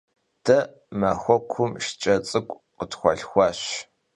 De maxuekum şşç'e ts'ık'u khıtxualhxuaş.